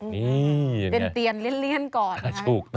นี่เป็นเตียนเลี่ยนก่อนนะคะ